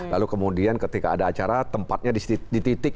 lalu kemudian ketika ada acara tempatnya dititik